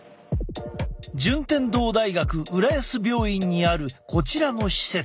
順天堂大学浦安病院にあるこちらの施設。